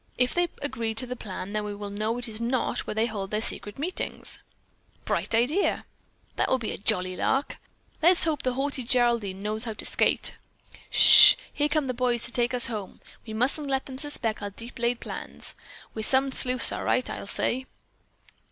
If they agree to the plan, then we will know that is not where they hold their secret meetings." "Bright idea!" "That will be a jolly lark!" "Hope the haughty Geraldine knows how to skate." "Ssh! Here come the boys to take us home. We mustn't let them suspect our deep laid plans. We're some sleuths all right, I'll say."